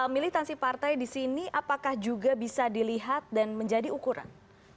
militansi partai di sini apakah juga bisa dilihat dan menjadi ukuran